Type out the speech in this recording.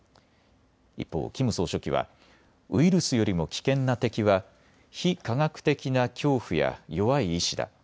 一方、キム総書記はウイルスよりも危険な敵は非科学的な恐怖や弱い意志だ。